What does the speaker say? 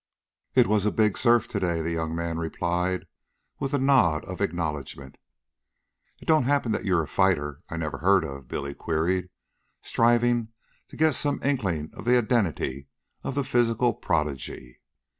"It was a big surf to day," the young man replied, with a nod of acknowledgment. "It don't happen that you are a fighter I never heard of?" Billy queried, striving to get some inkling of the identity of the physical prodigy.